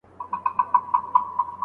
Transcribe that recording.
لیکل تر اورېدلو ډېر وخت نیسي.